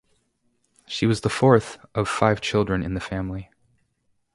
She was the fourth of five children in the family.